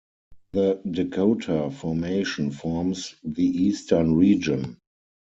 The Dakota Formation forms the eastern region.